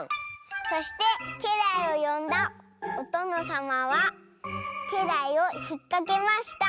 「そしてけらいをよんだおとのさまはけらいをひっかけました。